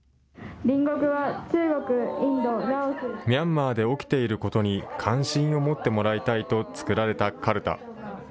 ミャンマーで起きていることに関心を持ってもらいたいと作られたかるた。